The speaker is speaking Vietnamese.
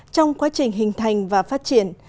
trong quá trình hình thành và phát triển